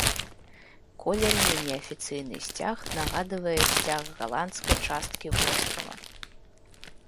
Колерамі неафіцыйны сцяг нагадвае сцяг галандскай часткі вострава.